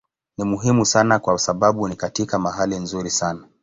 Ni muhimu sana kwa sababu ni katika mahali nzuri sana.